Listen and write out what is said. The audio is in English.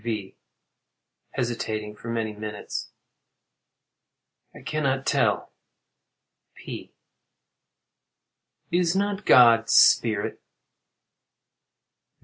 V. [Hesitating for many minutes.] I cannot tell. P. Is not God spirit?